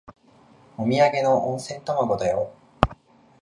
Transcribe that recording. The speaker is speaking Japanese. おみやげの温泉卵だよ。